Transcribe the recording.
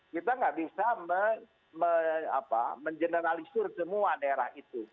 kita nggak bisa mengeneralisir semua daerah itu